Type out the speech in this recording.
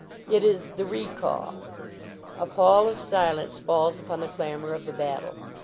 It is "the recall." A pall of silence falls upon the clamor of the battle.